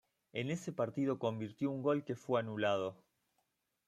En ese partido convirtió un gol que fue anulado.